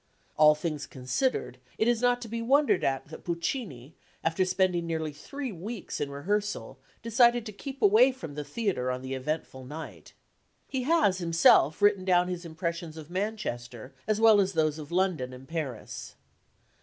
All things considered, it is not to be wondered at that Puccini, after spending nearly three weeks in rehearsal, decided to keep away from the theatre on the eventful night. He has himself written down his impressions of Manchester, as well as those of London and Paris.